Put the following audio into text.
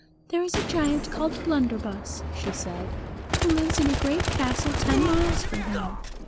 "There is a giant called Blunderbus," she said, "who lives in a great castle ten miles from here.